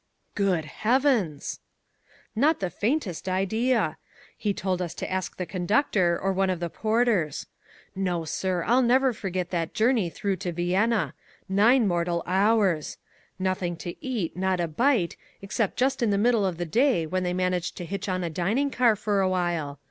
"Good heavens!" "Not the faintest idea. He told us to ask the conductor or one of the porters. No, sir, I'll never forget that journey through to Vienna, nine mortal hours! Nothing to eat, not a bite, except just in the middle of the day when they managed to hitch on a dining car for a while.